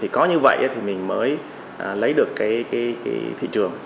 có như vậy thì mình mới lấy được cái thị trường